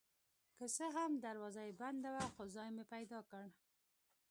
که څه هم دروازه یې بنده وه خو ځای مې پیدا کړ.